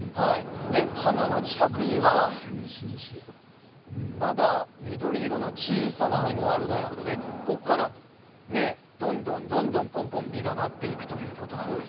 花の近くにはまだ緑色の小さな実もあるということでここからどんどんぽんぽん実がなっていくということなんです。